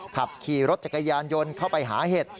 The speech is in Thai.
ขับขี่รถจักรยานยนต์เข้าไปหาเห็ด